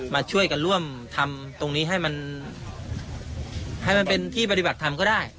มาช่วยกันร่วมทำตรงนี้ให้มันให้มันเป็นที่ปฏิบัติธรรมก็ได้